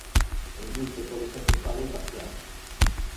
O indulto pode ser total ou parcial.